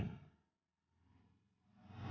tangis kamu jatuh lagi murti